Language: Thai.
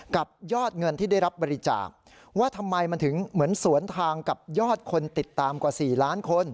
กับยอดเงินที่ได้รับบริจาคว่าทำไมมันถึงเหมือนสวนทางกับยอดคนติดตามกว่า๔ล้านคน